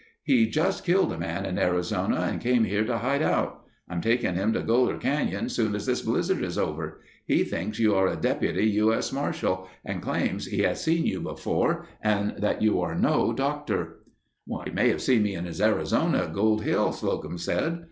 He just killed a man in Arizona and came here to hide out. I'm taking him to Goler Canyon soon as this blizzard is over. He thinks you are a deputy U. S. Marshal and claims that he has seen you before and that you are no doctor." "He may have seen me in Arizona at Gold Hill," Slocum said.